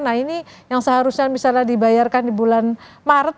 nah ini yang seharusnya misalnya dibayarkan di bulan maret